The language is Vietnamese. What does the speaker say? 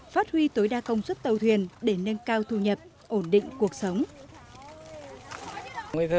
phát huy tối đa công suất tàu thuyền để nâng cao thu nhập ổn định cuộc sống